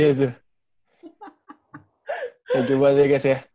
terima kasih buat dia guys ya